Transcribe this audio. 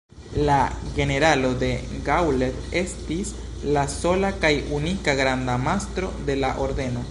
La generalo De Gaulle estis la sola kaj unika granda mastro de la ordeno.